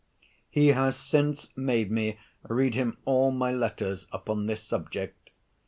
He has since made me read him all my letters upon this subject.